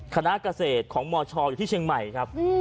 คณะเกษตรของมชอยู่ที่เชียงใหม่ครับ